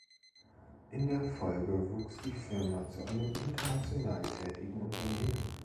In der Folge wuchs die Firma zu einem international tätigen Unternehmen.